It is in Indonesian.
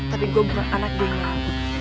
tapi gue bukan anak dia yang nyangka